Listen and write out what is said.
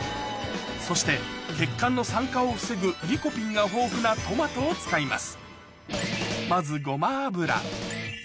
そして血管の酸化を防ぐリコピンが豊富なトマトを使います